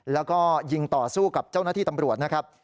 แล้วก็ยิงต่อสู้กับเจ้าหน้าที่ตำรวจนะครับ